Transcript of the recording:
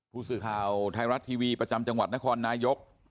ผู้สื่อข่าวไทยรัฐทีวีประจำจังหวัดนครนายก